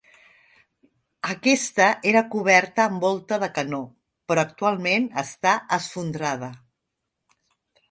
Aquesta era coberta amb volta de canó, però actualment està esfondrada.